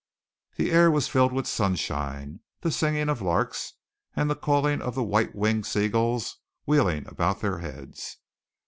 The air was filled with sunshine, the singing of larks, and the calling of the white winged seagulls wheeling about their heads.